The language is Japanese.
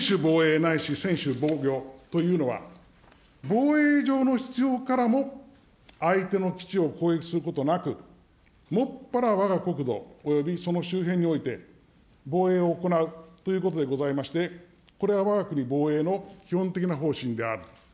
ないし専守防御というのは、防衛上の必要からも相手の基地を攻撃することなく、もっぱらわが国土およびその周辺において、防衛を行うということでございまして、これはわが国防衛の基本的な方針である。